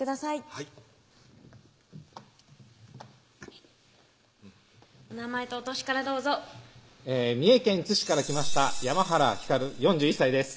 はいお名前とお歳からどうぞ三重県津市から来ました山原光４１歳です